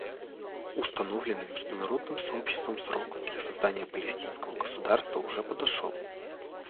Установленный международным сообществом срок для создания палестинского государства уже подошел.